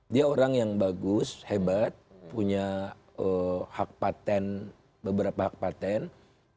dia orang yang bagus hebat punya hak paten beberapa hak patent